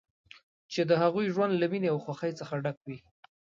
چې د هغوی ژوند له مینې او خوښۍ څخه ډک وي.